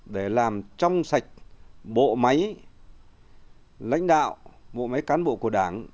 để làm trong sạch bộ máy lãnh đạo bộ máy cán bộ của đảng